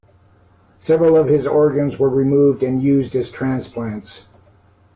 Several of his organs were removed and used as transplants.